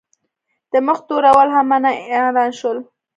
د مخ تورول هم منع اعلان شول.